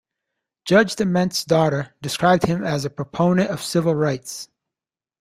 Judge Diment's daughter described him as a proponent of civil rights.